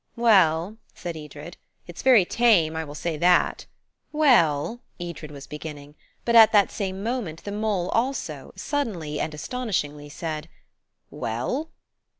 "Well," said Edred, "it's very tame, I will say that." "Well–" Edred was beginning; but, at that same moment the mole also, suddenly and astonishingly, said, "Well?"